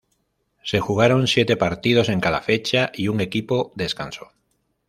Se jugaron siete partidos en cada fecha y un equipo descansó.